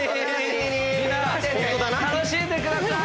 みんな楽しんでくださーい！